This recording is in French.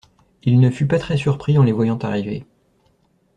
Il ne fut pas très surpris en les voyant arriver.